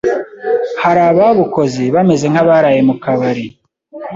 hari ababukoze bameze nk’abaraye mu kabari